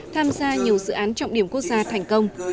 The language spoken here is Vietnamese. tham gia nhiều dự án trọng điểm quốc gia thành công